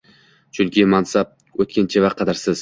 Chunki mansab o‘tkinchi va qadrsiz